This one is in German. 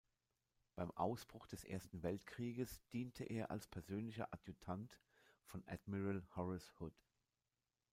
Beim Ausbruch des Ersten Weltkrieges diente er als persönlicher Adjutant von Admiral Horace Hood.